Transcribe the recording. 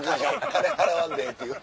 金払わんでええっていう。